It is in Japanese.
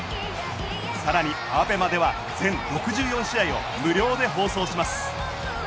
さらにＡＢＥＭＡでは全６４試合を無料で放送します。